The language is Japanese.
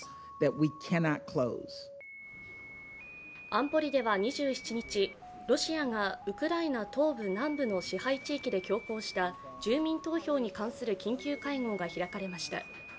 安保理では２７日、ロシアがウクライナ東部、南部の支配地域で強行した住民投票に関する緊急会合が開かれました。